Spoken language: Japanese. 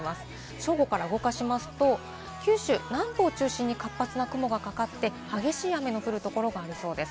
正午から動かしますと、九州南部を中心に活発な雲がかかって、激しい雨の降るところがありそうです。